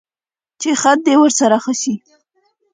چې خط دې ورسره ښه شي.